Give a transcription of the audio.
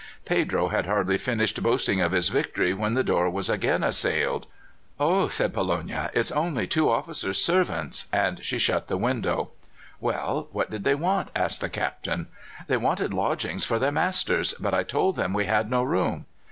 Pedro had hardly finished boasting of his victory when the door was again assailed. "Oh," said Pollonia, "it's only two officers' servants;" and she shut the window. "Well, what did they want?" asked the Captain. "They wanted lodgings for their masters, but I told them we had no room."